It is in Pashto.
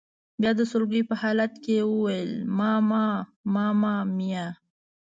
بیا د سلګۍ په حالت کې یې وویل: ماما ماما میا.